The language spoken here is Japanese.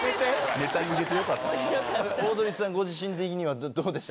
オードリーさん、ご自身的にはどうでした？